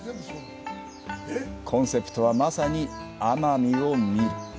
コンセプトは、まさに「奄美を見る」。